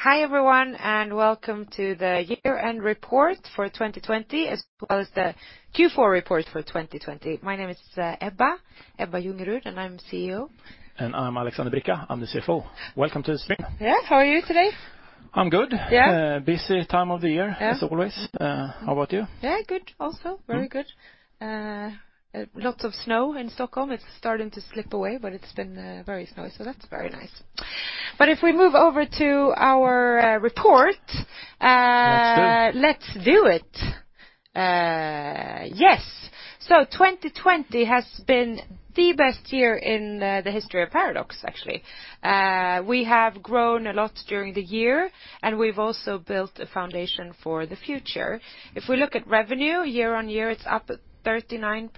Hi everyone, welcome to the year-end report for 2020, as well as the Q4 report for 2020. My name is Ebba Ljungerud, and I'm CEO. I'm Alexander Bricca, I'm the CFO. Welcome to the stream. Yeah. How are you today? I'm good. Yeah. Busy time of the year. Yeah as always. How about you? Yeah, good also. Very good. Lots of snow in Stockholm. It's starting to slip away, but it's been very snowy, so that's very nice. If we move over to our report. [inaudible] let's do it. Yes. 2020 has been the best year in the history of Paradox, actually. We have grown a lot during the year, and we've also built a foundation for the future. If we look at revenue year-on-year, it's up at 39%.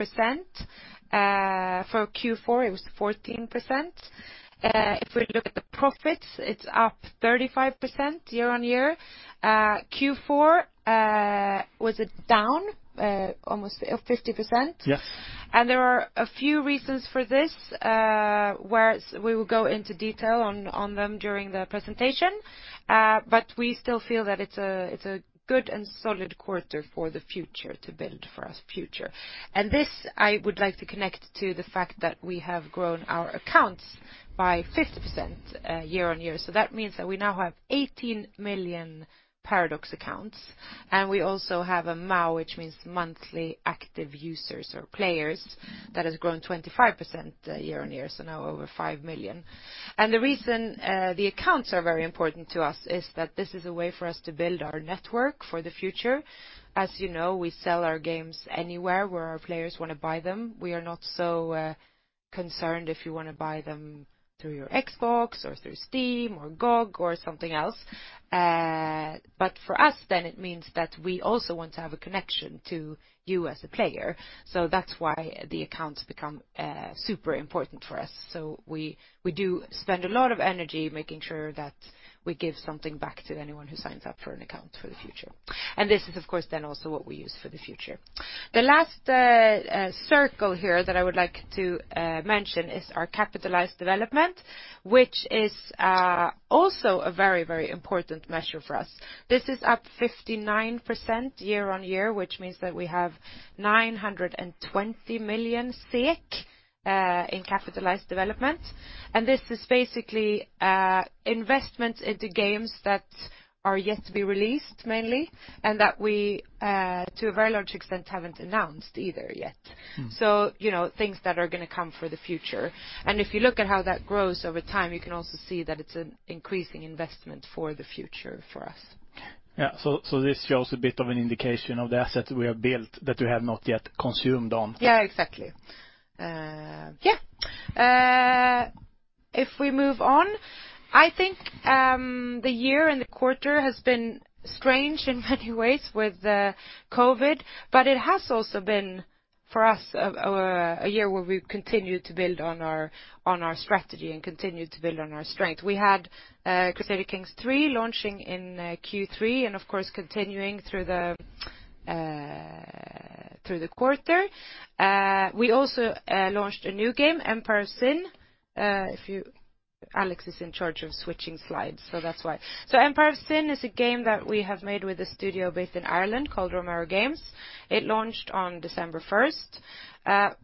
For Q4, it was 14%. If we look at the profits, it's up 35% year-on-year. Q4 was down almost 50%. Yes. There are a few reasons for this, where we will go into detail on them during the presentation. We still feel that it's a good and solid quarter for the future, to build for our future. This, I would like to connect to the fact that we have grown our accounts by 50% year-on-year. That means that we now have 18 million Paradox accounts, and we also have a MAU, which means monthly active users or players that has grown 25% year-on-year, so now over five million. The reason the accounts are very important to us is that this is a way for us to build our network for the future. As you know, we sell our games anywhere where our players want to buy them. We are not so concerned if you want to buy them through your Xbox or through Steam or GOG.com or something else. For us it means that we also want to have a connection to you as a player. That's why the accounts become super important for us. We do spend a lot of energy making sure that we give something back to anyone who signs up for an account for the future. This is of course also what we use for the future. The last circle here that I would like to mention is our capitalized development, which is also a very important measure for us. This is up 59% year-on-year, which means that we have 920 million in capitalized development. This is basically investment into games that are yet to be released, mainly, and that we, to a very large extent, haven't announced either yet. Things that are going to come for the future. If you look at how that grows over time, you can also see that it's an increasing investment for the future for us. Yeah. This shows a bit of an indication of the assets we have built that we have not yet consumed on. Yeah, exactly. If we move on, I think the year and the quarter has been strange in many ways with COVID, but it has also been, for us, a year where we've continued to build on our strategy and continued to build on our strength. We had Crusader Kings III launching in Q3 and of course, continuing through the quarter. We also launched a new game, Empire of Sin. Alex is in charge of switching slides, so that's why. Empire of Sin is a game that we have made with a studio based in Ireland called Romero Games. It launched on December 1st.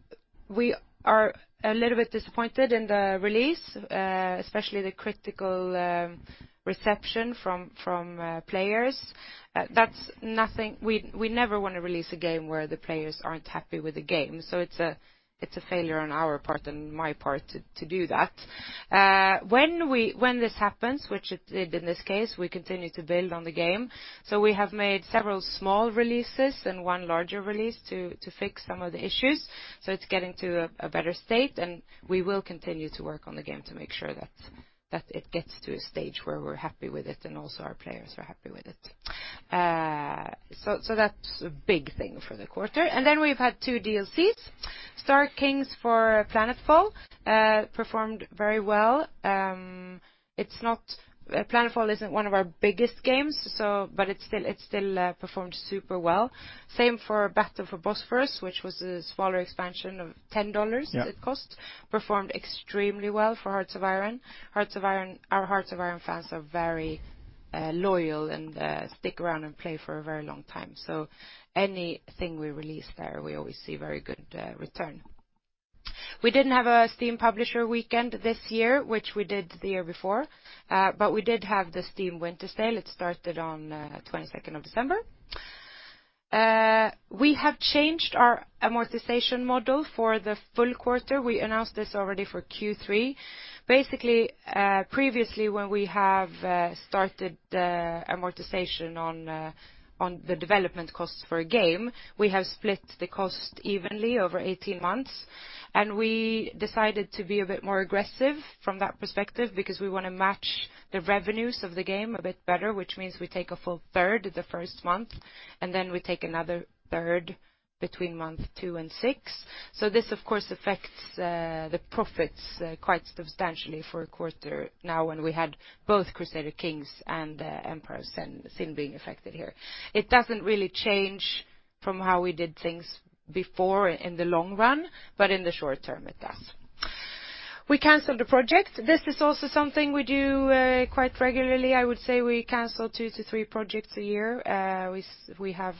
We are a little bit disappointed in the release, especially the critical reception from players. We never want to release a game where the players aren't happy with the game, so it's a failure on our part and my part to do that. When this happens, which it did in this case, we continue to build on the game. We have made several small releases and one larger release to fix some of the issues. It's getting to a better state, and we will continue to work on the game to make sure that it gets to a stage where we're happy with it and also our players are happy with it. That's a big thing for the quarter. Then we've had two DLCs. Star Kings for Planetfall performed very well. Planetfall isn't one of our biggest games, but it still performed super well. Same for Battle for Bosporus, which was a smaller expansion of SEK 10. Yeah It cost. Performed extremely well for Hearts of Iron. Our Hearts of Iron fans are very loyal and stick around and play for a very long time. Anything we release there, we always see very good return. We didn't have a Steam publisher weekend this year, which we did the year before. We did have the Steam winter sale. It started on 22nd of December. We have changed our amortization model for the full quarter. We announced this already for Q3. Basically, previously when we have started amortization on the development costs for a game, we have split the cost evenly over 18 months, and we decided to be a bit more aggressive from that perspective because we want to match the revenues of the game a bit better, which means we take a full third the first month, and then we take another third between month two and six. This of course affects the profits quite substantially for a quarter now when we had both Crusader Kings and Empire of Sin being affected here. It doesn't really change from how we did things before in the long run, but in the short term it does. We canceled the project. This is also something we do quite regularly. I would say we cancel two to three projects a year. We have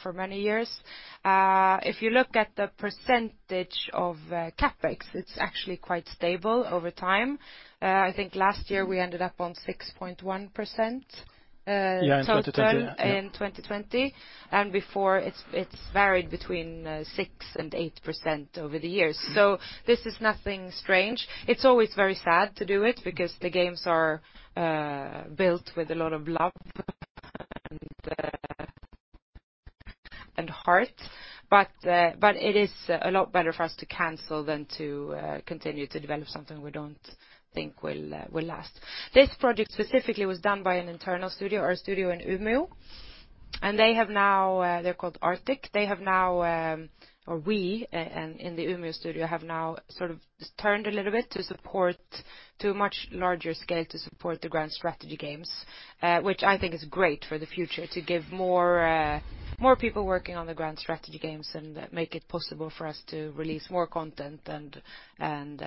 for many years. If you look at the percentage of CapEx, it's actually quite stable over time. I think last year we ended up on 6.1% total- Yeah, in 2020. Yeah in 2020. Before, it's varied between 6% and 8% over the years. This is nothing strange. It's always very sad to do it because the games are built with a lot of love and heart. It is a lot better for us to cancel than to continue to develop something we don't think will last. This project specifically was done by an internal studio, our studio in Umeå. They're called Arctic. They have now, or we, in the Umeå studio, have now sort of turned a little bit to a much larger scale to support the grand strategy games, which I think is great for the future. To give more people working on the grand strategy games and make it possible for us to release more content and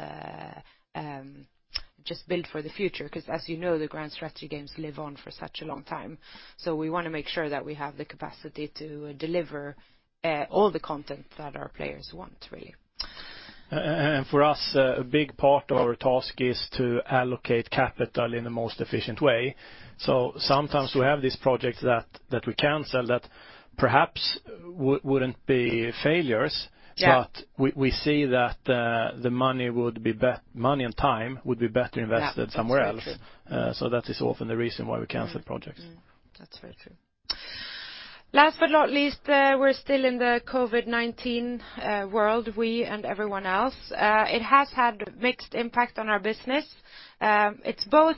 just build for the future. Because as you know, the grand strategy games live on for such a long time. We want to make sure that we have the capacity to deliver all the content that our players want, really. For us, a big part of our task is to allocate capital in the most efficient way. Sometimes we have these projects that we cancel that perhaps wouldn't be failures. Yeah We see that the money and time would be better invested somewhere else. Yeah. That's very true. That is often the reason why we cancel projects. That's very true. Last but not least, we're still in the COVID-19 world, we and everyone else. It has had a mixed impact on our business. It's both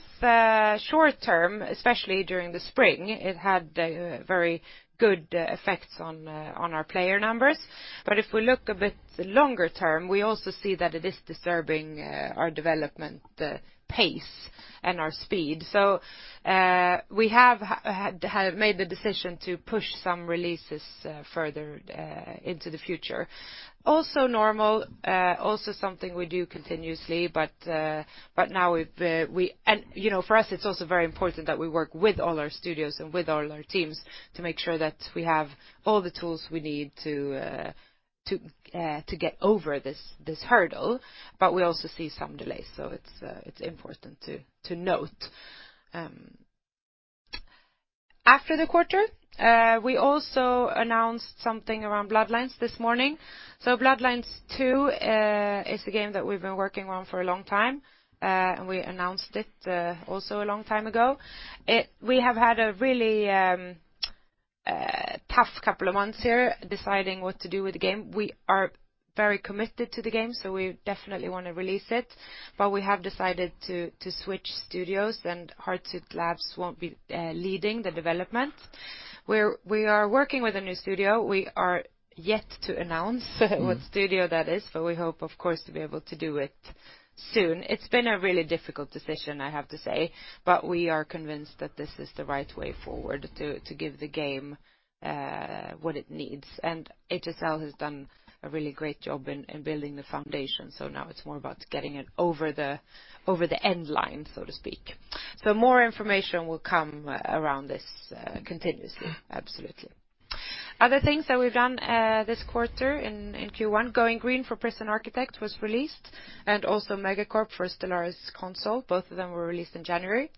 short-term, especially during the spring, it had very good effects on our player numbers. If we look a bit longer term, we also see that it is disturbing our development pace and our speed. We have made the decision to push some releases further into the future. Also normal, also something we do continuously, but now for us it's also very important that we work with all our studios and with all our teams to make sure that we have all the tools we need to get over this hurdle. We also see some delays, so it's important to note. After the quarter, we also announced something around Bloodlines this morning. Bloodlines 2 is a game that we've been working on for a long time, and we announced it also a long time ago. We have had a really tough couple of months here deciding what to do with the game. We are very committed to the game, so we definitely want to release it. We have decided to switch studios, and Hardsuit Labs won't be leading the development. We are working with a new studio. We are yet to announce what studio that is, but we hope, of course, to be able to do it soon. It's been a really difficult decision, I have to say, but we are convinced that this is the right way forward to give the game what it needs. HSL has done a really great job in building the foundation. Now it's more about getting it over the end line, so to speak. More information will come around this continuously. Absolutely. Other things that we've done this quarter in Q1, Going Green for Prison Architect was released, and also MegaCorp for Stellaris Console. Both of them were released in January.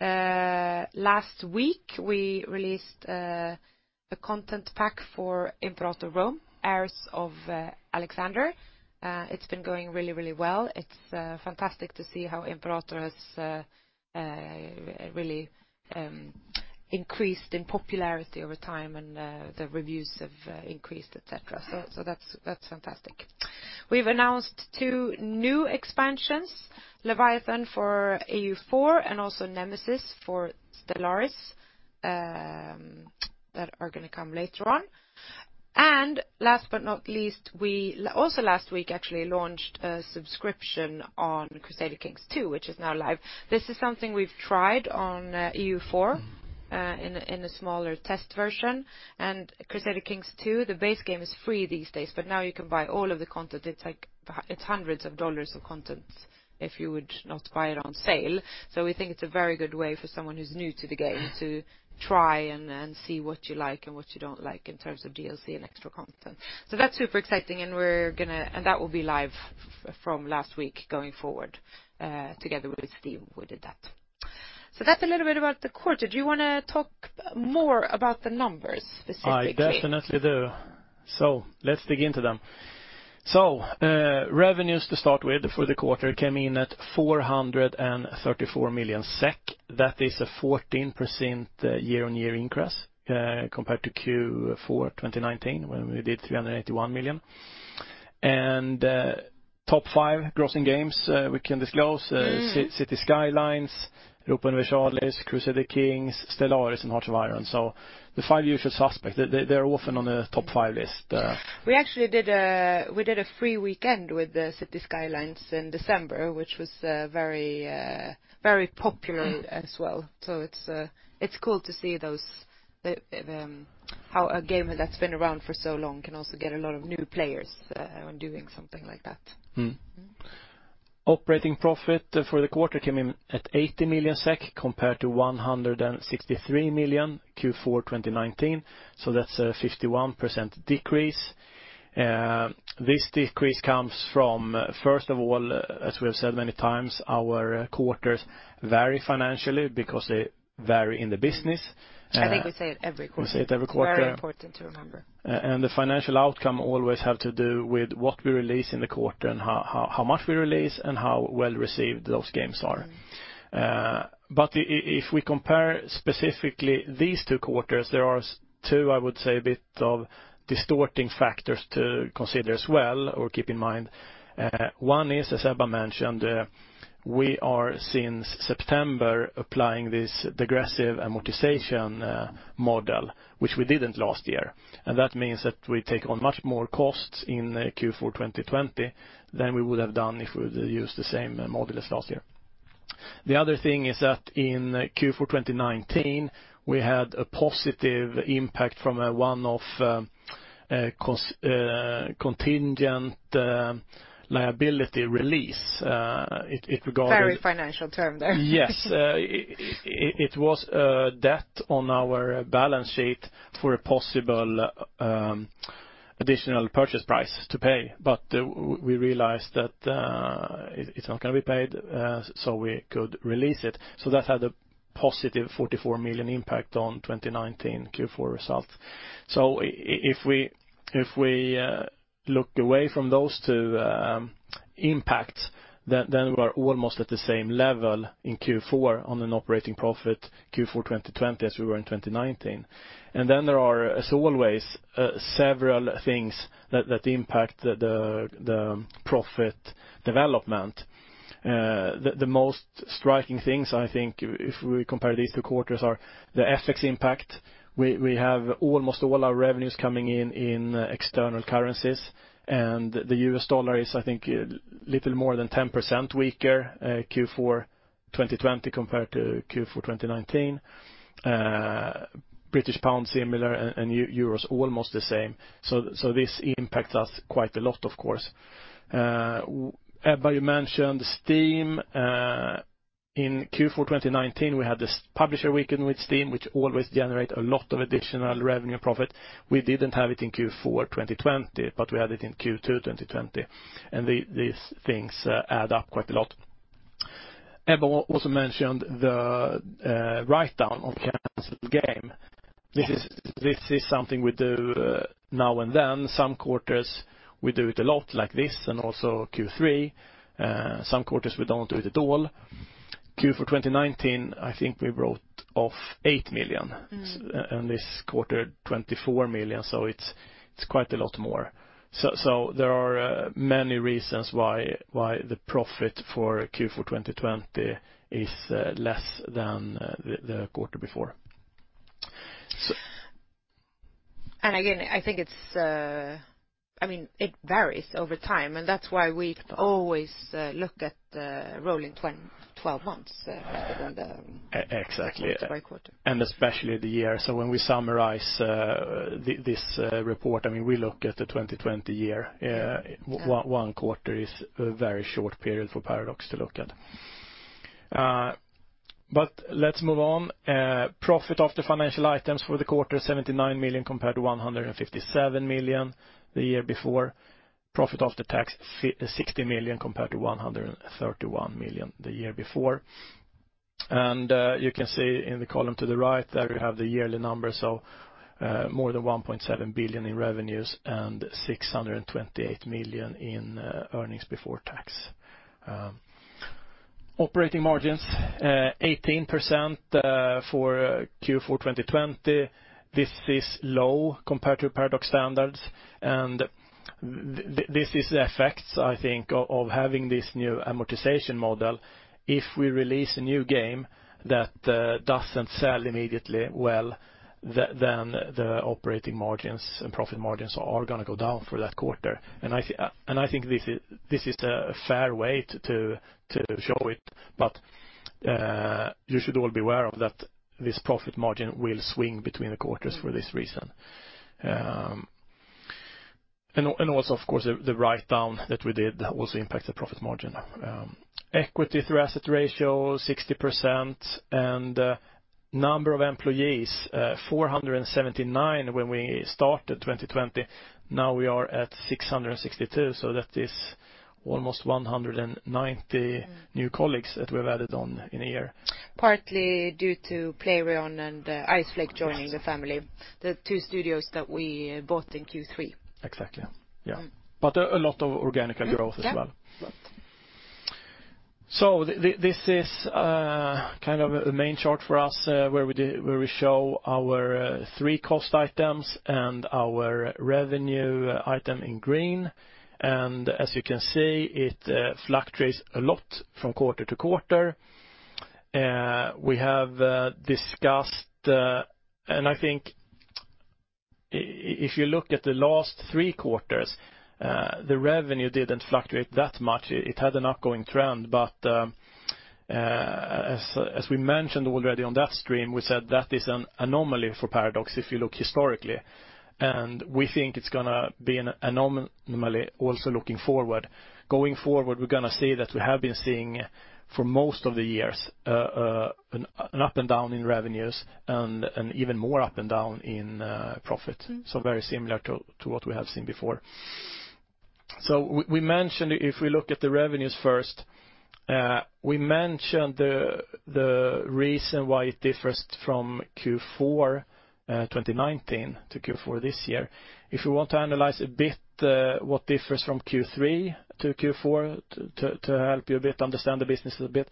Last week, we released a content pack for Imperator: Rome, Heirs of Alexander. It's been going really well. It's fantastic to see how Imperator has really increased in popularity over time, and the reviews have increased, et cetera. That's fantastic. We've announced two new expansions, Leviathan for EU4 and also Nemesis for Stellaris, that are going to come later on. Last but not least, we also last week actually launched a subscription on Crusader Kings II, which is now live. This is something we've tried on EU4 in a smaller test version. Crusader Kings II, the base game is free these days, but now you can buy all of the content. It's hundreds of dollars of content if you would not buy it on sale. We think it's a very good way for someone who's new to the game to try and see what you like and what you don't like in terms of DLC and extra content. That's super exciting, and that will be live from last week going forward. Together with Steve, we did that. That's a little bit about the quarter. Do you want to talk more about the numbers specifically? I definitely do. Let's dig into them. Revenues to start with for the quarter came in at 434 million SEK. That is a 14% year-on-year increase compared to Q4 2019, when we did 381 million. Top five grossing games we can disclose, Cities: Skylines, Loop Hero, Crusader Kings, Stellaris, and Hearts of Iron IV. The five usual suspects. They're often on the top five list. We actually did a free weekend with the Cities: Skylines in December, which was very popular as well. It's cool to see how a game that's been around for so long can also get a lot of new players when doing something like that. Mm-hmm. Operating profit for the quarter came in at 80 million SEK compared to 163 million Q4 2019. That's a 51% decrease. This decrease comes from, first of all, as we have said many times, our quarters vary financially because they vary in the business. I think we say it every quarter. We say it every quarter. Very important to remember. The financial outcome always have to do with what we release in the quarter and how much we release and how well-received those games are. If we compare specifically these two quarters, there are two, I would say, a bit of distorting factors to consider as well, or keep in mind. One is, as Ebba mentioned, we are since September applying this degressive amortization model, which we didn't last year. That means that we take on much more costs in Q4 2020 than we would have done if we would use the same model as last year. The other thing is that in Q4 2019, we had a positive impact from a one-off contingent liability release. It regarded. Very financial term there. Yes. It was a debt on our balance sheet for a possible additional purchase price to pay. We realized that it's not going to be paid, so we could release it. That had a positive 44 million impact on 2019 Q4 results. If we look away from those two impacts, then we are almost at the same level in Q4 on an operating profit, Q4 2020 as we were in 2019. Then there are, as always, several things that impact the profit development. The most striking things, I think, if we compare these two quarters, are the FX impact. We have almost all our revenues coming in external currencies, and the US dollar is, I think, a little more than 10% weaker Q4 2020 compared to Q4 2019. British pound similar, and euros almost the same. This impacts us quite a lot, of course. Ebba, you mentioned Steam. In Q4 2019, we had this publisher weekend with Steam, which always generate a lot of additional revenue profit. We didn't have it in Q4 2020, but we had it in Q2 2020. These things add up quite a lot. Ebba also mentioned the write-down of canceled game. This is something we do now and then. Some quarters, we do it a lot like this and also Q3. Some quarters we don't do it at all. Q4 2019, I think we wrote off 8 million. This quarter, 24 million, so it is quite a lot more. There are many reasons why the profit for Q4 2020 is less than the quarter before. Again, it varies over time, and that's why we always look at the rolling 12 months rather than. Exactly ..by quarter. Especially the year. When we summarize this report, we look at the 2020 year. One quarter is a very short period for Paradox to look at. Let's move on. Profit after financial items for the quarter, 79 million compared to 157 million the year before. Profit after tax, 60 million compared to 131 million the year before. You can see in the column to the right there, you have the yearly number, more than 1.7 billion in revenues and 628 million in earnings before tax. Operating margins, 18% for Q4 2020. This is low compared to Paradox standards. This is the effects, I think, of having this new amortization model. If we release a new game that doesn't sell immediately well, then the operating margins and profit margins are going to go down for that quarter. I think this is a fair way to show it, but you should all be aware of that this profit margin will swing between the quarters for this reason. Also, of course, the write-down that we did also impact the profit margin. Equity through asset ratio, 60%. Number of employees, 479 when we started 2020. Now we are at 662, so that is almost 190- ..new colleagues that we've added on in a year. Partly due to Playrion and Iceflake joining the family. The two studios that we bought in Q3. Exactly. Yeah. A lot of organic growth as well. Yeah. A lot. This is kind of a main chart for us where we show our three cost items and our revenue item in green. As you can see, it fluctuates a lot from quarter-to-quarter. We have discussed, and I think if you look at the last three quarters, the revenue didn't fluctuate that much. It had an ongoing trend. As we mentioned already on that stream, we said that is an anomaly for Paradox if you look historically, and we think it's going to be an anomaly also looking forward. Going forward, we're going to see that we have been seeing for most of the years an up and down in revenues and an even more up and down in profit. Very similar to what we have seen before. We mentioned if we look at the revenues first, we mentioned the reason why it differs from Q4 2019 to Q4 this year. If you want to analyze a bit what differs from Q3 to Q4 to help you a bit understand the business a little bit.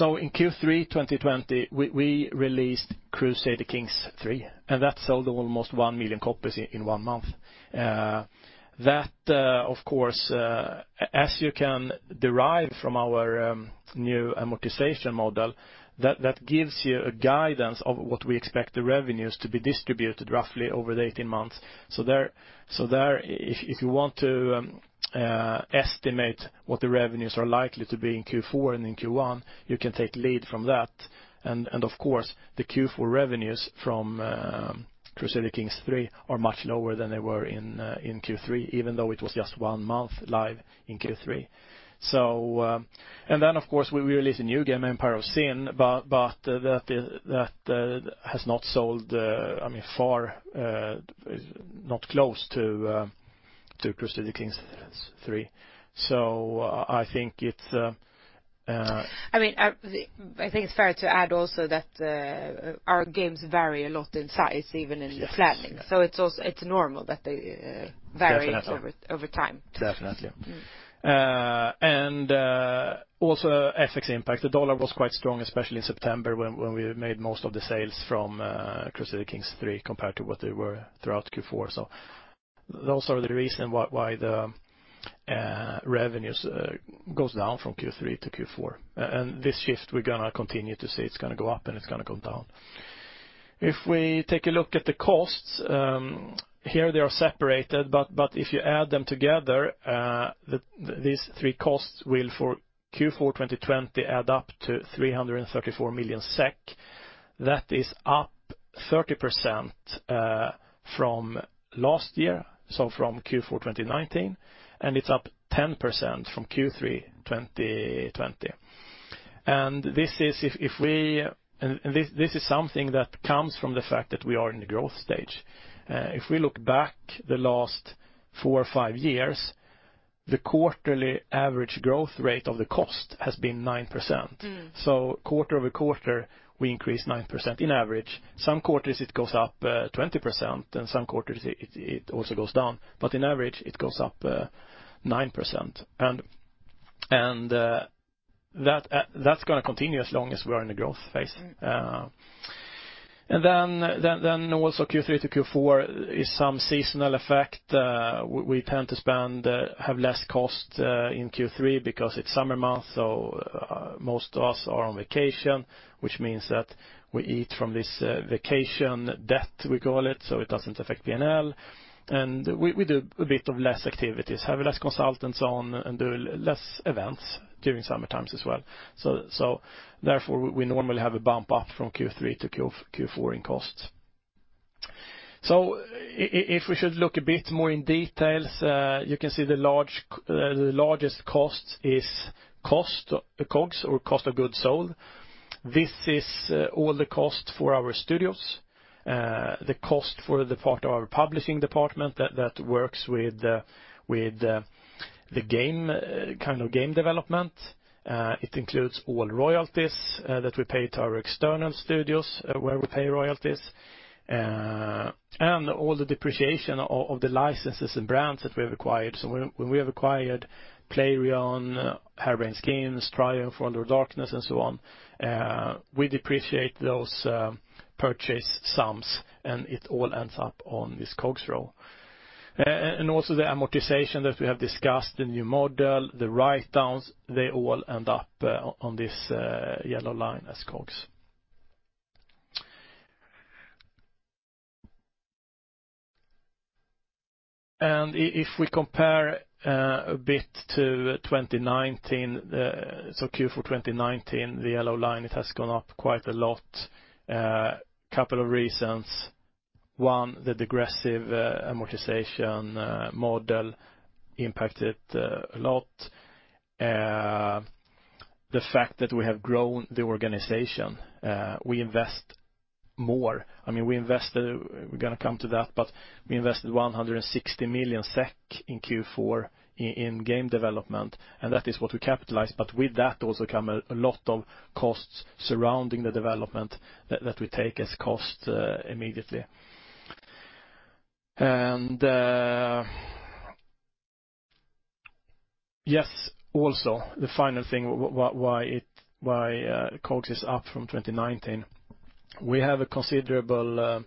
In Q3 2020, we released Crusader Kings III, and that sold almost 1 million copies in one month. That of course, as you can derive from our new amortization model, that gives you a guidance of what we expect the revenues to be distributed roughly over the 18 months. There, if you want to estimate what the revenues are likely to be in Q4 and in Q1, you can take lead from that. Of course, the Q4 revenues from Crusader Kings III are much lower than they were in Q3, even though it was just one month live in Q3. Of course, we released a new game, Empire of Sin, but that has not sold far, not close to Crusader Kings III. I think it's fair to add also that our games vary a lot in size, even in the planning. Yes. It's normal that they vary. Definitely over time. Definitely. Also FX impact. The U.S. dollar was quite strong, especially in September when we made most of the sales from Crusader Kings III compared to what they were throughout Q4. Those are the reason why the revenues goes down from Q3 to Q4. This shift, we're going to continue to see it's going to go up and it's going to go down. If we take a look at the costs, here they are separated. If you add them together, these three costs will, for Q4 2020, add up to SEK 334 million. That is up 30% from last year, so from Q4 2019, and it's up 10% from Q3 2020. This is something that comes from the fact that we are in the growth stage. If we look back the last four or five years, the quarterly average growth rate of the cost has been 9%. Quarter-over-quarter, we increase 9% in average. Some quarters it goes up 20%, and some quarters it also goes down. In average it goes up 9%. That's going to continue as long as we're in the growth phase. Then also Q3 to Q4 is some seasonal effect. We tend to spend, have less cost in Q3 because it's summer months, so most of us are on vacation, which means that we eat from this vacation debt, we call it, so it doesn't affect P&L. We do a bit of less activities, have less consultants on, and do less events during summer times as well. Therefore, we normally have a bump up from Q3 to Q4 in costs. If we should look a bit more in details, you can see the largest cost is COGS or cost of goods sold. This is all the cost for our studios, the cost for the part of our publishing department that works with the kind of game development. It includes all royalties that we pay to our external studios where we pay royalties, and all the depreciation of the licenses and brands that we have acquired. When we have acquired Playrion, Harebrained Schemes, Triumph, World of Darkness, and so on, we depreciate those purchase sums, and it all ends up on this COGS row. Also the amortization that we have discussed, the new model, the write-downs, they all end up on this yellow line as COGS. If we compare a bit to 2019, so Q4 2019, the yellow line, it has gone up quite a lot. A couple of reasons. One, the degressive amortization model impacted a lot. The fact that we have grown the organization, we invest more. We invested, we're going to come to that, but we invested 160 million SEK in Q4 in game development, and that is what we capitalize. With that also come a lot of costs surrounding the development that we take as cost immediately. Yes, also the final thing, why COGS is up from 2019. We have a considerable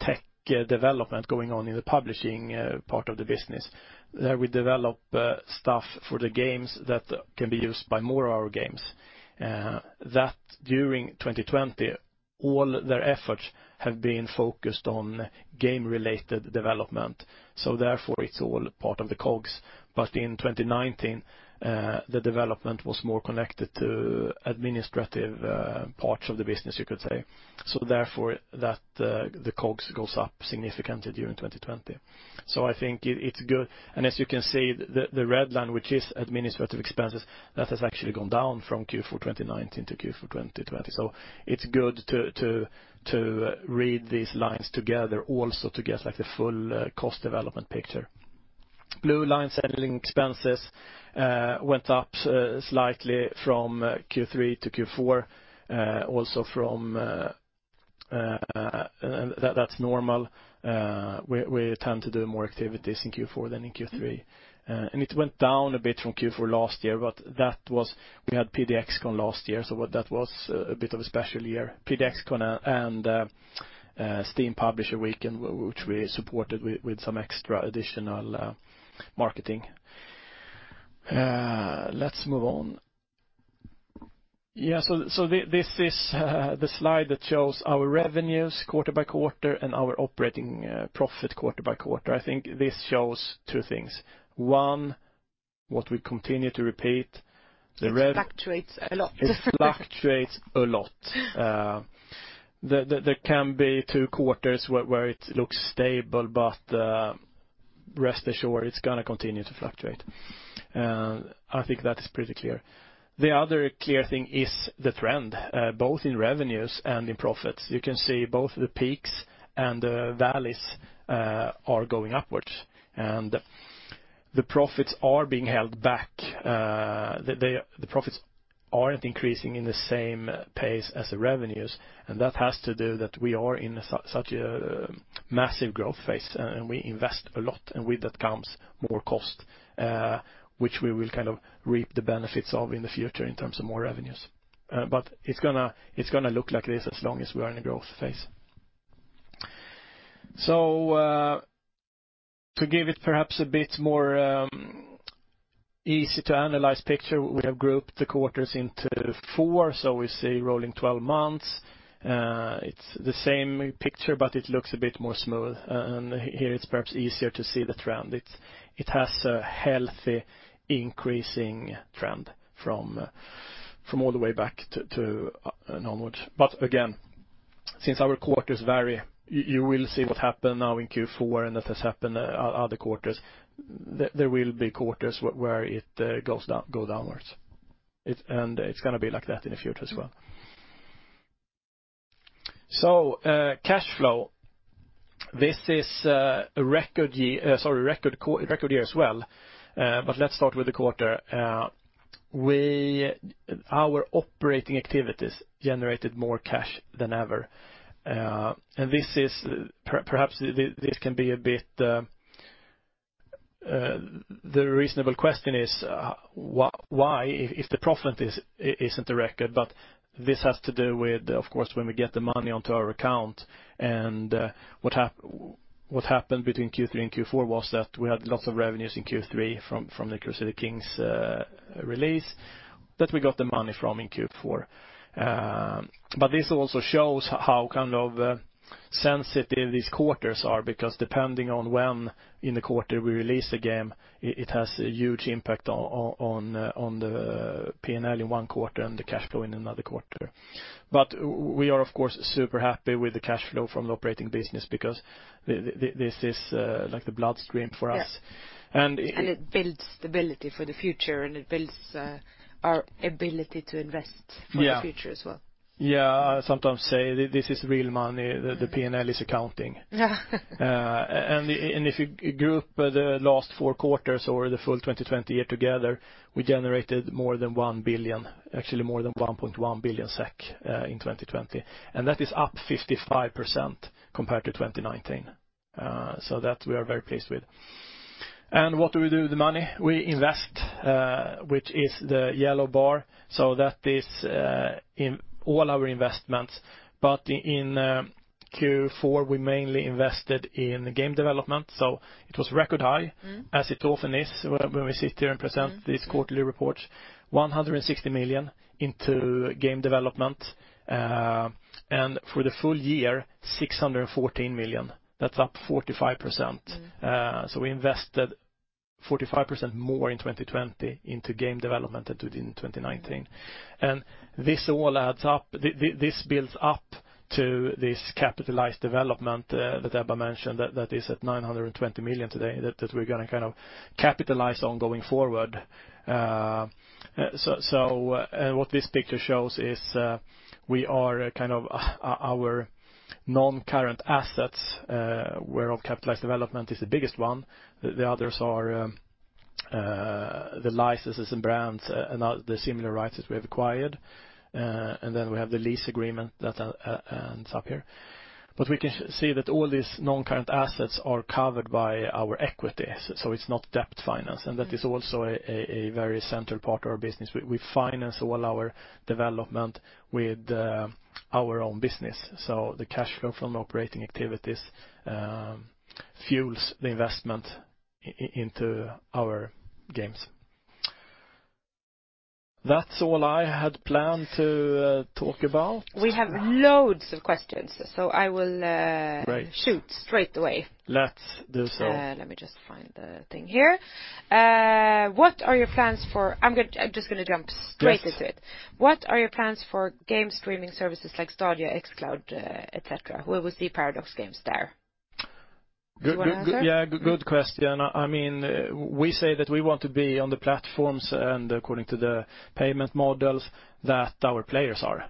tech development going on in the publishing part of the business. There we develop stuff for the games that can be used by more of our games. That during 2020, all their efforts have been focused on game-related development. Therefore, it's all part of the COGS. In 2019, the development was more connected to administrative parts of the business, you could say. Therefore, the COGS goes up significantly during 2020. I think it's good. As you can see, the red line, which is administrative expenses, that has actually gone down from Q4 2019 to Q4 2020. It's good to read these lines together also to get the full cost development picture. Blue line, selling expenses, went up slightly from Q3 to Q4. That's normal. We tend to do more activities in Q4 than in Q3. It went down a bit from Q4 last year. We had PDXCON last year. That was a bit of a special year. PDXCON and Steam Publisher Week, which we supported with some extra additional marketing. Let's move on. This is the slide that shows our revenues quarter-by-quarter and our operating profit quarter-by-quarter. I think this shows two things. One, what we continue to repeat. It fluctuates a lot. It fluctuates a lot. There can be two quarters where it looks stable, but rest assured, it's going to continue to fluctuate. I think that is pretty clear. The other clear thing is the trend, both in revenues and in profits. You can see both the peaks and the valleys are going upwards, and the profits are being held back. The profits aren't increasing in the same pace as the revenues, and that has to do that we are in such a massive growth phase, and we invest a lot, and with that comes more cost which we will reap the benefits of in the future in terms of more revenues. It's going to look like this as long as we are in a growth phase. To give it perhaps a bit more easy-to-analyze picture, we have grouped the quarters into four, so we see rolling 12 months. It's the same picture, but it looks a bit smoother. Here it's perhaps easier to see the trend. It has a healthy increasing trend from all the way back and onwards. Again, since our quarters vary, you will see what happened now in Q4 and that has happened other quarters. There will be quarters where it go downwards. It's going to be like that in the future as well. Cash flow. This is a record year as well. Let's start with the quarter. Our operating activities generated more cash than ever. The reasonable question is, why, if the profit isn't a record? This has to do with, of course, when we get the money onto our account and what happened between Q3 and Q4 was that we had lots of revenues in Q3 from the Crusader Kings release that we got the money from in Q4. This also shows how sensitive these quarters are because depending on when in the quarter we release the game, it has a huge impact on the P&L in one quarter and the cash flow in another quarter. We are, of course, super happy with the cash flow from the operating business because this is like the bloodstream for us. Yeah. It builds stability for the future, and it builds our ability to invest for the future as well. Yeah. I sometimes say, this is real money. The P&L is accounting. Yeah. If you group the last four quarters or the full 2020 year together, we generated more than 1 billion, actually more than 1.1 billion SEK in 2020. That is up 55% compared to 2019. That we are very pleased with. What do we do with the money? We invest, which is the yellow bar. That is all our investments. In Q4, we mainly invested in game development, so it was record high, as it often is when we sit here and present these quarterly reports, 160 million into game development. For the full year, 614 million. That's up 45%. We invested 45% more in 2020 into game development than we did in 2019. This all adds up. This builds up to this capitalized development that Ebba mentioned that is at 920 million today, that we're going to capitalize on going forward. What this picture shows is our non-current assets, whereof capitalized development is the biggest one. The others are the licenses and brands and the similar rights that we have acquired. We have the lease agreement that ends up here. We can see that all these non-current assets are covered by our equity, so it's not debt finance, and that is also a very central part of our business. We finance all our development with our own business. The cash flow from operating activities fuels the investment into our games. That's all I had planned to talk about. We have loads of questions. Great I'll shoot straight away. Let's do so. Let me just find the thing here. I'm just going to jump straight into it. Yes. What are your plans for game streaming services like Stadia, xCloud, et cetera? Where will we see Paradox games there? Do you want to answer? Yeah, good question. We say that we want to be on the platforms and according to the payment models that our players are.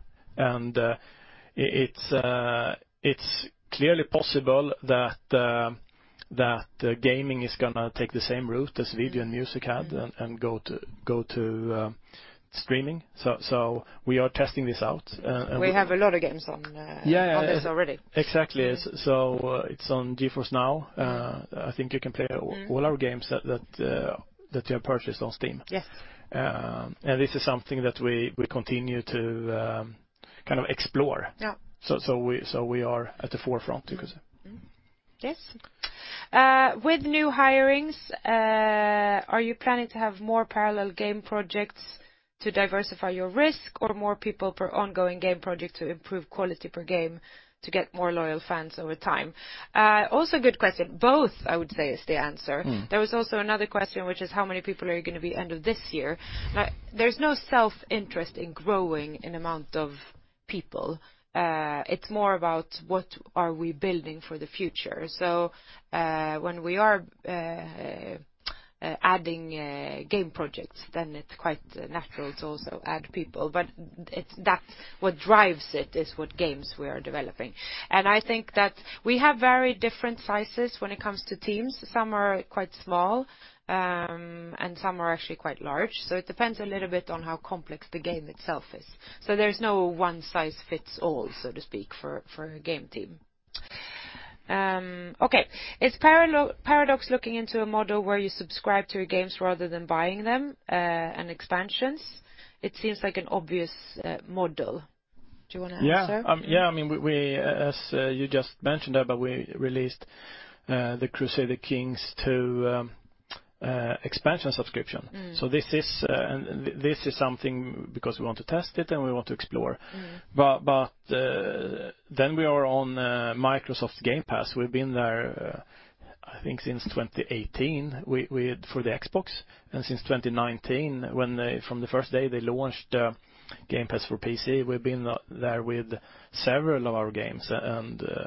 It's clearly possible that gaming is going to take the same route as video and music had and go to streaming. We are testing this out. We have a lot of games on- Yeah ..this already. Exactly. It's on GeForce NOW. I think you can play all our games that you have purchased on Steam. Yes. This is something that we continue to explore. Yeah. We are at the forefront, you could say. Yes. With new hirings, are you planning to have more parallel game projects to diversify your risk or more people per ongoing game project to improve quality per game to get more loyal fans over time? Also a good question. Both, I would say is the answer. There was also another question, which is how many people are you going to be end of this year? There's no self-interest in growing in amount of people. It's more about what are we building for the future. When we are adding game projects, it's quite natural to also add people. That's what drives it, is what games we are developing. I think that we have very different sizes when it comes to teams. Some are quite small, and some are actually quite large. It depends a little bit on how complex the game itself is. There's no one-size-fits-all, so to speak, for a game team. Okay. Is Paradox looking into a model where you subscribe to your games rather than buying them, and expansions? It seems like an obvious model. Do you want to answer? Yeah. As you just mentioned there, we released the Crusader Kings II expansion subscription. This is something because we want to test it and we want to explore. We are on Xbox Game Pass. We've been there I think since 2018 for the Xbox, and since 2019, from the first day they launched Game Pass for PC, we've been there with several of our games.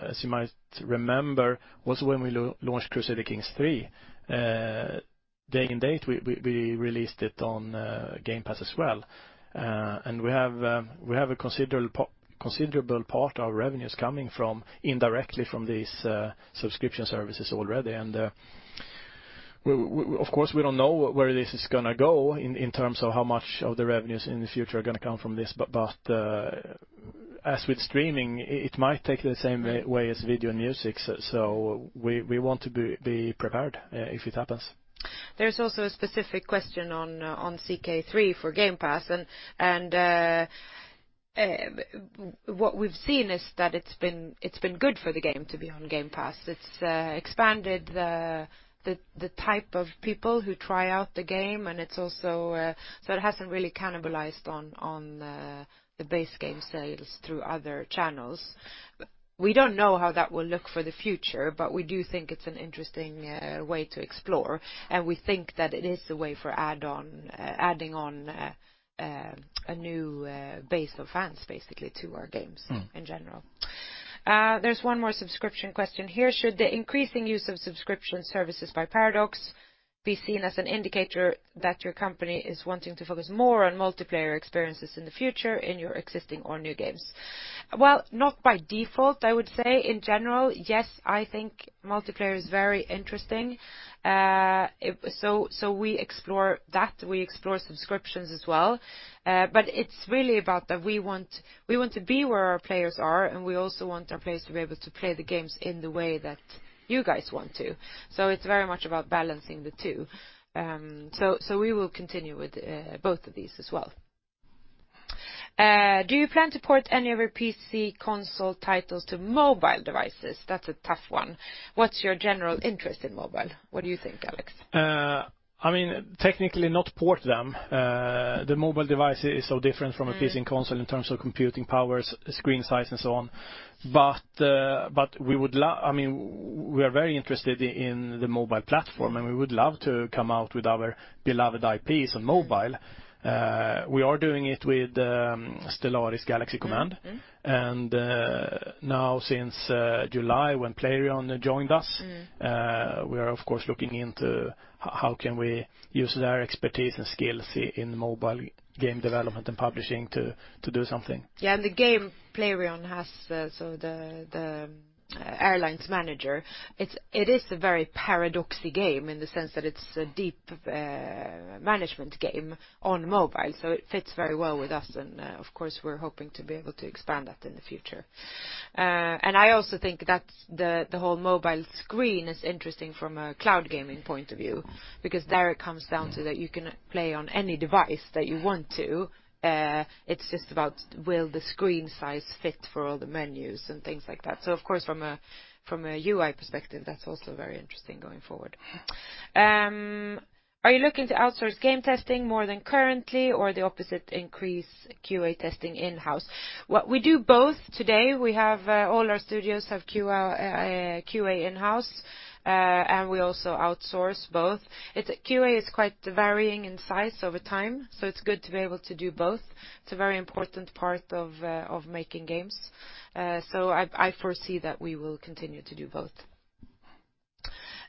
As you might remember, also when we launched Crusader Kings III, day and date, we released it on Game Pass as well. We have a considerable part of revenues coming indirectly from these subscription services already. Of course, we don't know where this is going to go in terms of how much of the revenues in the future are going to come from this. As with streaming, it might take the same way as video and music, so we want to be prepared if it happens. There's also a specific question on CK3 for Game Pass, and what we've seen is that it's been good for the game to be on Game Pass. It's expanded the type of people who try out the game, so it hasn't really cannibalized on the base game sales through other channels. We don't know how that will look for the future, but we do think it's an interesting way to explore, and we think that it is a way for adding on a new base of fans, basically, to our games. ...in general. There's one more subscription question here. Should the increasing use of subscription services by Paradox Interactive be seen as an indicator that your company is wanting to focus more on multiplayer experiences in the future in your existing or new games? Well, not by default, I would say. In general, yes, I think multiplayer is very interesting. We explore that. We explore subscriptions as well. It's really about that we want to be where our players are, and we also want our players to be able to play the games in the way that you guys want to. It's very much about balancing the two. We will continue with both of these as well. Do you plan to port any of your PC console titles to mobile devices? That's a tough one. What's your general interest in mobile? What do you think, Alex? Technically, not port them. The mobile device is so different from a PC and Console in terms of computing powers, screen size, and so on. We are very interested in the mobile platform, and we would love to come out with our beloved IPs on mobile. We are doing it with Stellaris: Galaxy Command. Now since July when Playrion joined us. We are, of course, looking into how can we use their expertise and skills in mobile game development and publishing to do something. Yeah, the game Playrion has, so the Airlines Manager, it is a very Paradox-y game in the sense that it's a deep management game on mobile, so it fits very well with us. Of course, we're hoping to be able to expand that in the future. I also think that the whole mobile screen is interesting from a cloud gaming point of view, because there it comes down to that you can play on any device that you want to. It's just about will the screen size fit for all the menus and things like that. Of course, from a UI perspective, that's also very interesting going forward. Are you looking to outsource game testing more than currently, or the opposite, increase QA testing in-house? We do both today. All our studios have QA in-house, we also outsource both. QA is quite varying in size over time, it's good to be able to do both. It's a very important part of making games. I foresee that we will continue to do both.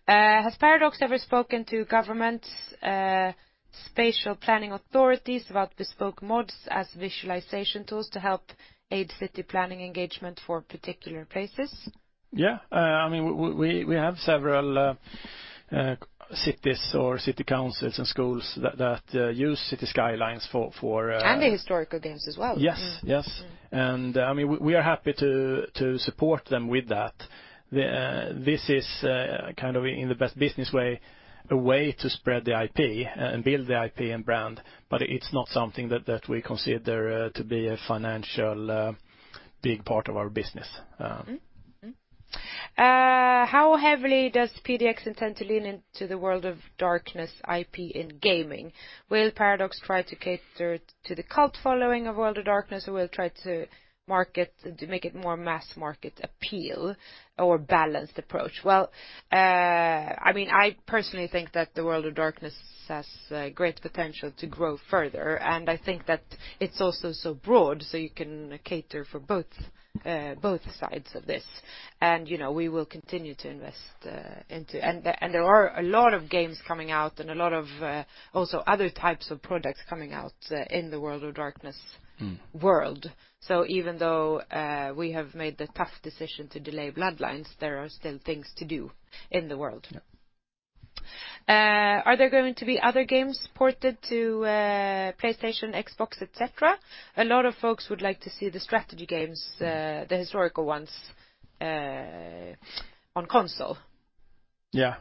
Has Paradox ever spoken to governments, spatial planning authorities about bespoke mods as visualization tools to help aid city planning engagement for particular places? Yeah. We have several cities or city councils and schools that use Cities: Skylines for. The historical games as well. Yes. We are happy to support them with that. This is kind of in the best business way, a way to spread the IP and build the IP and brand. It's not something that we consider to be a financial big part of our business. How heavily does PDX intend to lean into the World of Darkness IP in gaming? Will Paradox try to cater to the cult following of World of Darkness, or will it try to make it more mass market appeal or balanced approach? Well, I personally think that the World of Darkness has great potential to grow further, and I think that it's also so broad, so you can cater for both sides of this. There are a lot of games coming out and a lot of also other types of products coming out in the world of Darkness world. Even though we have made the tough decision to delay Bloodlines, there are still things to do in the world. Yeah. Are there going to be other games ported to PlayStation, Xbox, et cetera? A lot of folks would like to see the strategy games, the historical ones, on Console. Yeah.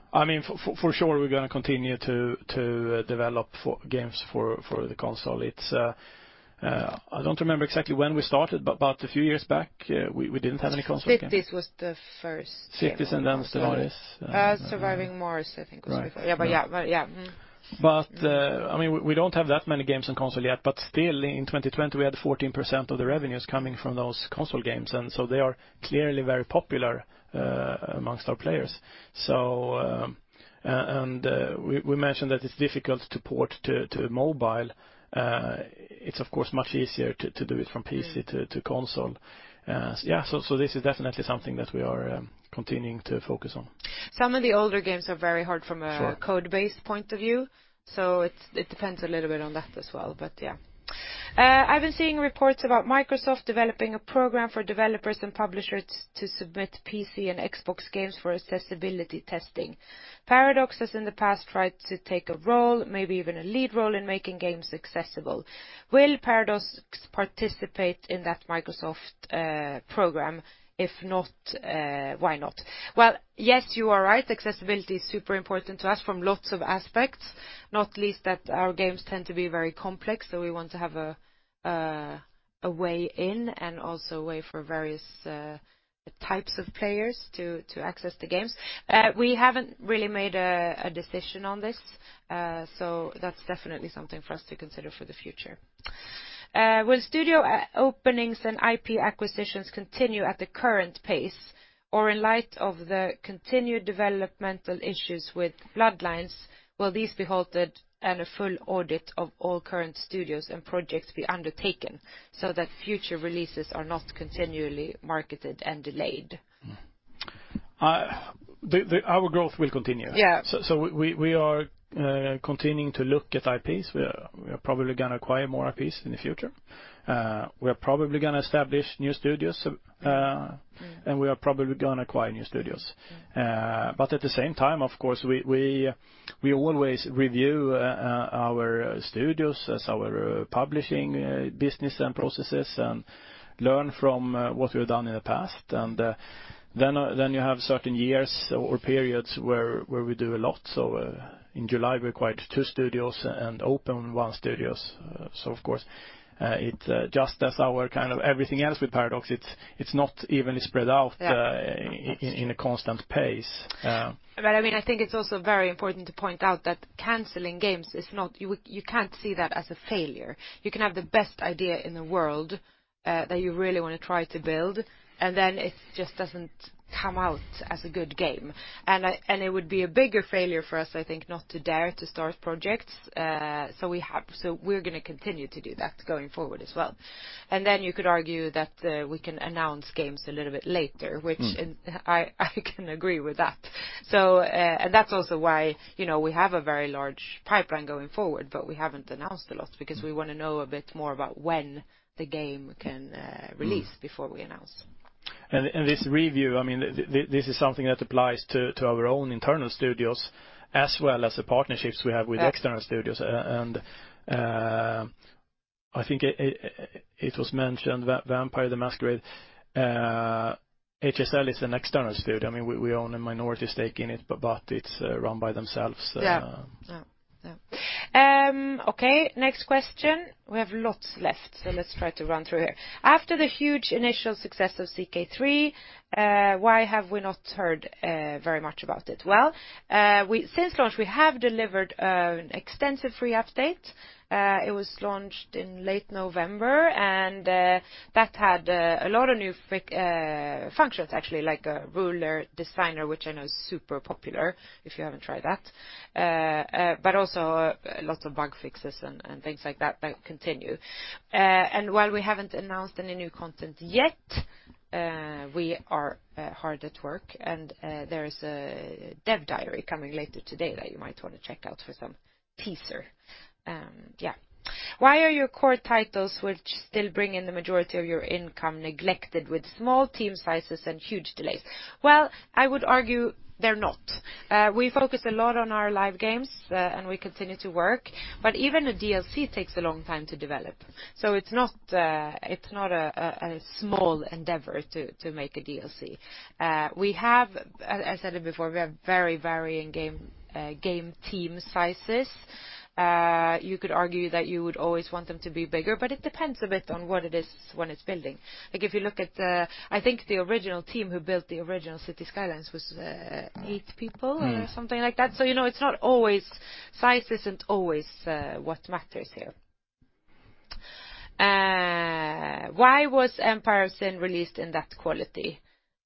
For sure, we're going to continue to develop games for the console. I don't remember exactly when we started, but a few years back, we didn't have any console games. Cities was the first game on console. Cities and then Stellaris. Surviving Mars," I think was before. Yeah. We don't have that many games on console yet, but still in 2020, we had 14% of the revenues coming from those console games, and so they are clearly very popular amongst our players. We mentioned that it's difficult to port to mobile. It's of course, much easier to do it from PC to Console. This is definitely something that we are continuing to focus on. Some of the older games are very hard from. Sure ...code-based point of view. It depends a little bit on that as well, yeah. I've been seeing reports about Microsoft developing a program for developers and publishers to submit PC and Xbox games for accessibility testing. Paradox has in the past tried to take a role, maybe even a lead role in making games accessible. Will Paradox participate in that Microsoft program? If not, why not? Well, yes, you are right. Accessibility is super important to us from lots of aspects, not least that our games tend to be very complex, so we want to have a way in and also a way for various types of players to access the games. We haven't really made a decision on this, so that's definitely something for us to consider for the future. Will studio openings and IP acquisitions continue at the current pace, or in light of the continued developmental issues with Bloodlines, will these be halted and a full audit of all current studios and projects be undertaken so that future releases are not continually marketed and delayed? Our growth will continue. Yeah. We are continuing to look at IPs. We are probably going to acquire more IPs in the future. We are probably going to establish new studios, and we are probably going to acquire new studios. At the same time, of course, we always review our studios as our publishing business and processes and learn from what we've done in the past. Then you have certain years or periods where we do a lot. In July, we acquired two studios and opened one studio. Of course, just as our kind of everything else with Paradox, it's not evenly spread out.. Yeah ..in a constant pace. I think it's also very important to point out that canceling games, you can't see that as a failure. You can have the best idea in the world that you really want to try to build, and then it just doesn't come out as a good game. It would be a bigger failure for us, I think, not to dare to start projects. We're going to continue to do that going forward as well. Then you could argue that we can announce games a little bit later, which I can agree with that. That's also why we have a very large pipeline going forward, but we haven't announced a lot because we want to know a bit more about when the game can release before we announce. This review, this is something that applies to our own internal studios as well as the partnerships we have with external studios. I think it was mentioned, Vampire: The Masquerade, HSL is an external studio. We own a minority stake in it, but it is run by themselves. Yeah. Okay, next question. We have lots left, let's try to run through here. After the huge initial success of CK3, why have we not heard very much about it? Well, since launch, we have delivered an extensive free update. It was launched in late November, that had a lot of new functions, actually, like a Ruler Designer, which I know is super popular, if you haven't tried that. Also lots of bug fixes and things like that that continue. While we haven't announced any new content yet, we are hard at work, there is a dev diary coming later today that you might want to check out for some teaser. Yeah. Why are your core titles, which still bring in the majority of your income, neglected with small team sizes and huge delays? Well, I would argue they're not. We focus a lot on our live games, and we continue to work, but even a DLC takes a long time to develop. It's not a small endeavor to make a DLC. I said it before, we have very varying game team sizes. You could argue that you would always want them to be bigger, but it depends a bit on what it is one is building. I think the original team who built the original Cities: Skylines was eight people... ..or something like that. Size isn't always what matters here. Why was Empire of Sin released in that quality?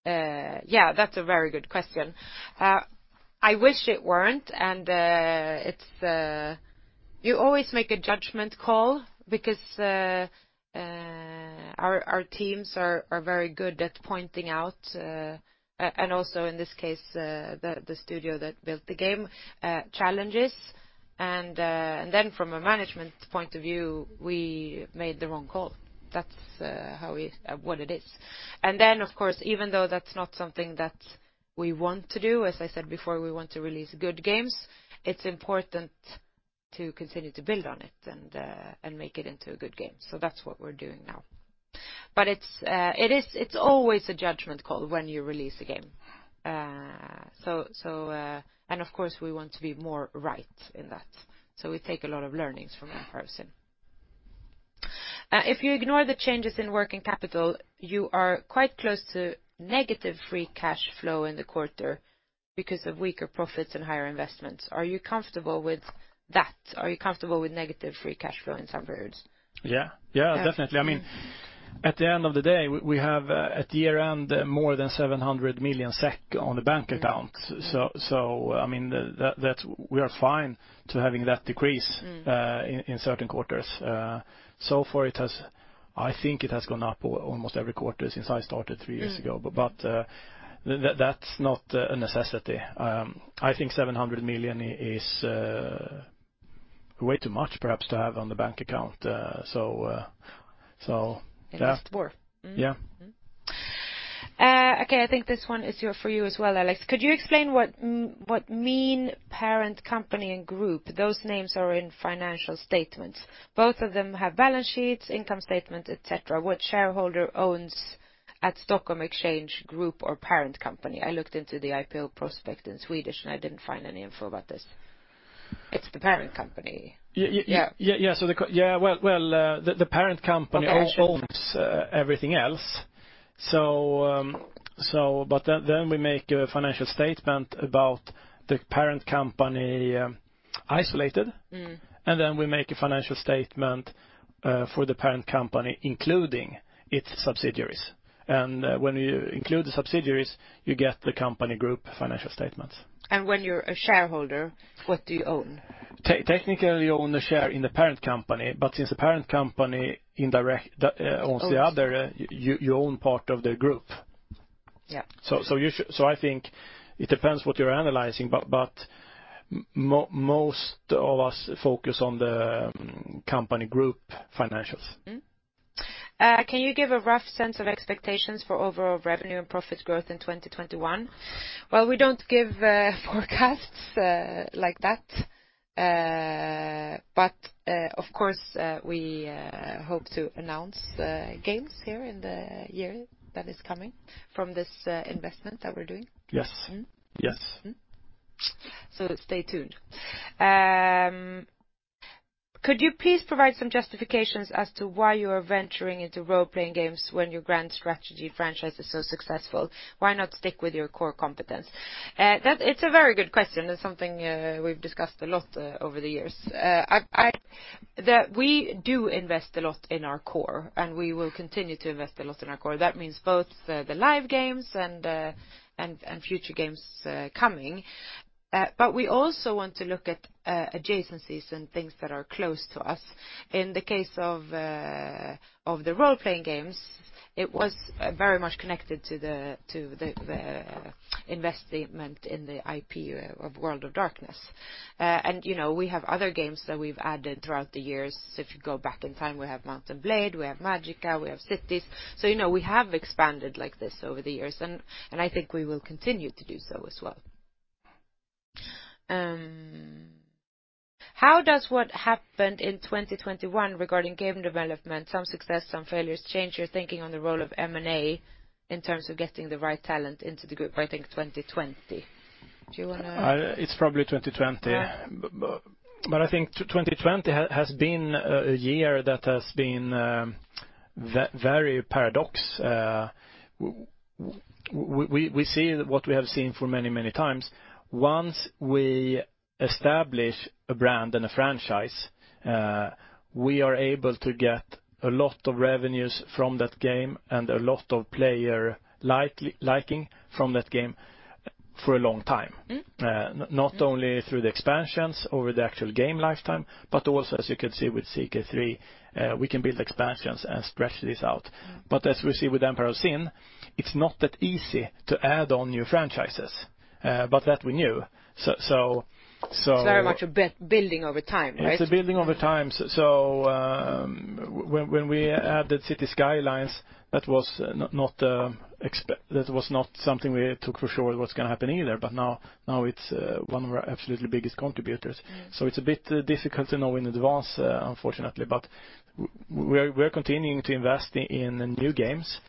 Yeah, that's a very good question. I wish it weren't, and you always make a judgment call because our teams are very good at pointing out, and also in this case the studio that built the game, challenges. From a management point of view, we made the wrong call. That's what it is. Of course, even though that's not something that we want to do, as I said before, we want to release good games, it's important to continue to build on it and make it into a good game. That's what we're doing now. It's always a judgment call when you release a game. Of course, we want to be more right in that. We take a lot of learnings from "Empire of Sin." If you ignore the changes in working capital, you are quite close to negative free cash flow in the quarter because of weaker profits and higher investments. Are you comfortable with that? Are you comfortable with negative free cash flow in some periods? Yeah, definitely. At the end of the day, we have at year-end more than 700 million SEK on the bank account. We are fine to having that decrease.in certain quarters. I think it has gone up almost every quarter since I started three years ago. That's not a necessity. I think 700 million is way too much, perhaps, to have on the bank account. Yeah. Invest more. Yeah. Okay, I think this one is for you as well, Alexander. Could you explain what mean parent company and group, those names are in financial statements. Both of them have balance sheets, income statements, et cetera. Which shareholder owns at Stockholm Exchange group or parent company? I looked into the IPO prospect in Swedish, and I didn't find any info about this. It's the parent company. Yeah. Well, the parent company. But actually- ...owns everything else. We make a financial statement about the parent company isolated. Then we make a financial statement for the parent company, including its subsidiaries. When you include the subsidiaries, you get the company group financial statements. When you're a shareholder, what do you own? Technically, you own a share in the parent company, but since the parent company indirectly. Owns ..owns the other, you own part of the group. Yeah. I think it depends what you're analyzing, but most of us focus on the company group financials. Mm-hmm. Can you give a rough sense of expectations for overall revenue and profit growth in 2021? Well, we don't give forecasts like that. Of course, we hope to announce games here in the year that is coming from this investment that we're doing. Yes. Yes. Stay tuned. Could you please provide some justifications as to why you are venturing into role-playing games when your grand strategy franchise is so successful? Why not stick with your core competence? It's a very good question. It's something we've discussed a lot over the years. We do invest a lot in our core, and we will continue to invest a lot in our core. That means both the live games and future games coming. We also want to look at adjacencies and things that are close to us. In the case of the role-playing games, it was very much connected to the investment in the IP of "World of Darkness." We have other games that we've added throughout the years. If you go back in time, we have "Mount & Blade," we have "Magicka," we have "Cities." We have expanded like this over the years, and I think we will continue to do so as well. How does what happened in 2021 regarding game development, some success, some failures, change your thinking on the role of M&A in terms of getting the right talent into the group by, I think, 2020? Do you want to. It's probably 2020. Yeah. I think 2020 has been a year that has been very Paradox. We see what we have seen for many times. Once we establish a brand and a franchise, we are able to get a lot of revenues from that game and a lot of player liking from that game for a long time. Not only through the expansions over the actual game lifetime, but also, as you can see with CK3, we can build expansions and stretch this out. As we see with "Empire of Sin," it's not that easy to add on new franchises, but that we knew. Very much a building over time, right? It's a building over time. When we added Cities: Skylines, that was not something we took for sure was going to happen either. Now it's one of our absolutely biggest contributors. It's a bit difficult to know in advance, unfortunately. We're continuing to invest in new games.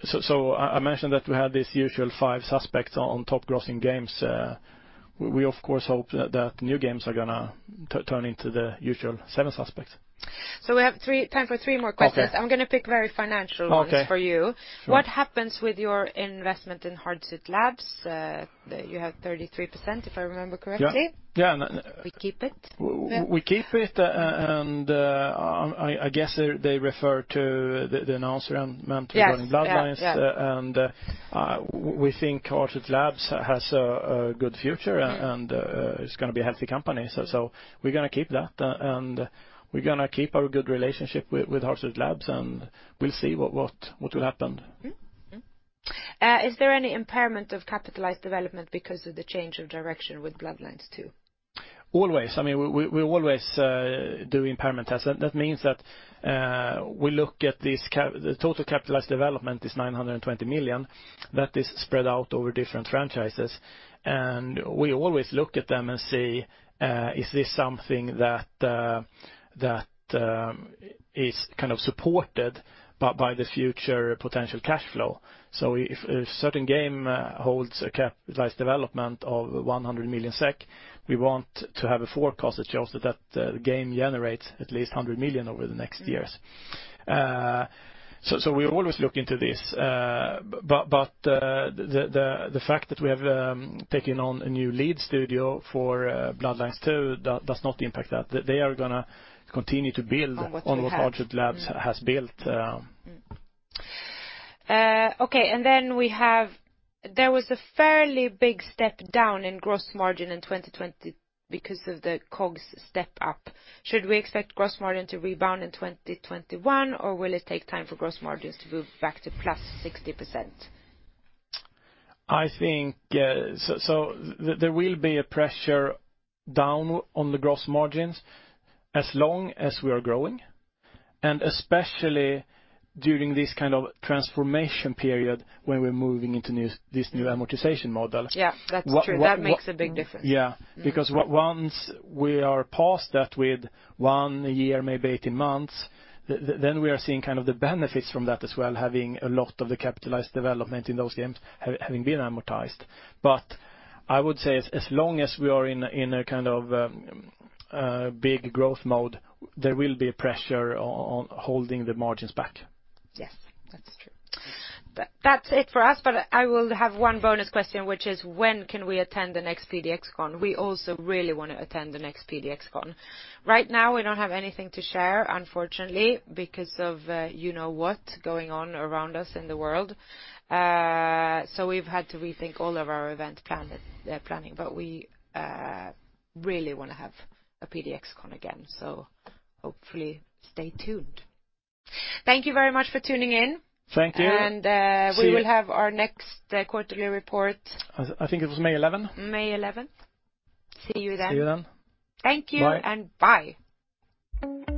I mentioned that we had these usual five suspects on top grossing games. We of course hope that new games are going to turn into the usual seven suspects. We have time for three more questions. Okay. I'm going to pick very financial ones for you. Okay, sure. What happens with your investment in Hardsuit Labs? You have 33%, if I remember correctly. Yeah. We keep it? We keep it, and I guess they refer to the announcement. Yes regarding "Bloodlines. Yeah. We think Hardsuit Labs has a good future and is going to be a healthy company. We're going to keep that, we're going to keep our good relationship with Hardsuit Labs, we'll see what will happen. Mm-hmm. Is there any impairment of capitalized development because of the change of direction with Bloodlines 2? Always. We always do impairment tests. That means that we look at the total capitalized development is 920 million. That is spread out over different franchises. We always look at them and see, is this something that is kind of supported by the future potential cash flow? If a certain game holds a capitalized development of 100 million SEK, we want to have a forecast that shows that the game generates at least 100 million over the next years. We always look into this. The fact that we have taken on a new lead studio for Bloodlines 2 does not impact that. They are going to continue to build- On what you have. ..on what Hardsuit Labs has built. Okay, there was a fairly big step down in gross margin in 2020 because of the COGS step up. Should we expect gross margin to rebound in 2021, or will it take time for gross margins to move back to +60%? I think there will be a pressure down on the gross margins as long as we are growing, and especially during this kind of transformation period when we're moving into this new amortization model. Yeah, that's true. That makes a big difference. Yeah. Because once we are past that with one year, maybe 18 months, then we are seeing kind of the benefits from that as well, having a lot of the capitalized development in those games having been amortized. I would say as long as we are in a kind of big growth mode, there will be pressure on holding the margins back. Yes, that's true. That's it for us, but I will have one bonus question, which is, when can we attend the next PDXCON? We also really want to attend the next PDXCON. Right now we don't have anything to share, unfortunately, because of you know what going on around us in the world. We've had to rethink all of our event planning. We really want to have a PDXCON again. Hopefully, stay tuned. Thank you very much for tuning in. Thank you. We will have our next quarterly report. I think it was May 11th. May 11th. See you then. See you then. Thank you and bye Bye.